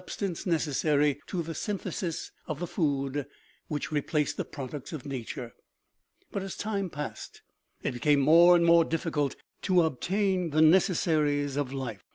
253 stance necessary to the synthesis of the food which re placed the products of nature. But as time passed, it became more and more difficult to obtain the necessaries of life.